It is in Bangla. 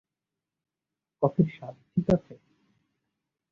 কফির স্বাদ ঠিক আছে?